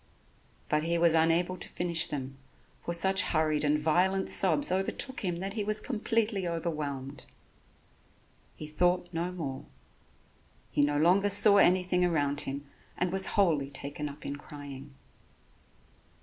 But he was unable to finish them, for such hurried and violent sobs overtook him that he was completely overwhelmed. He thought no more, he no longer saw anything around him and was wholly taken up in crying.